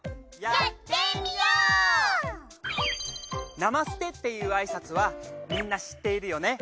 ナマステっていうあいさつはみんな知っているよね？